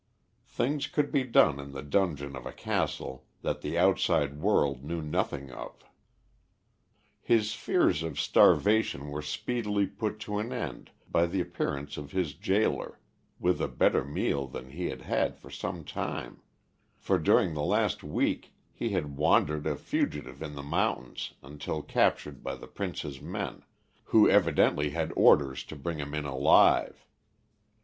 Things could be done in the dungeon of a castle that the outside world knew nothing of. His fears of starvation were speedily put to an end by the appearance of his gaoler with a better meal than he had had for some time; for during the last week he had wandered a fugitive in the mountains until captured by the Prince's men, who evidently had orders to bring him in alive.